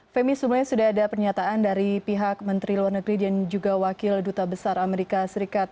femi sebelumnya sudah ada pernyataan dari pihak menteri luar negeri dan juga wakil duta besar amerika serikat